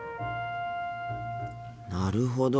なるほど。